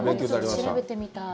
調べてみたい。